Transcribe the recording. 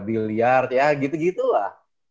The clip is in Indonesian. biliar ya gitu gitu lah